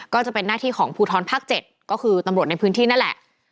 ก็จะเป็นหน้าตาที่ของผู้ท้อนภักค์เจ็ดก็คือตำรวจในพื้นที่นั่นแหละ